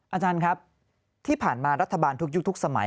อาจารย์ครับที่ผ่านมารัฐบาลทุกยุคทุกสมัย